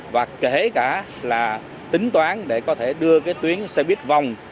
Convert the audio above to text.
và kể cả là tính toán để có thể đưa cái tuyến xe buýt vòng